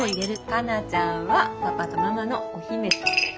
カナちゃんはパパとママのお姫様だからね。